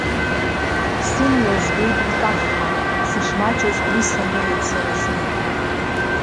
Сымҩа збеит икаххаа, сышмаҷыз уи санылеит сара зны.